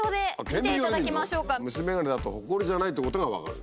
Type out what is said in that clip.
虫眼鏡だとホコリじゃないってことが分かる。